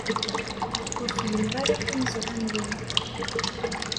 Ur fhimeɣ ara tameẓla-nwen.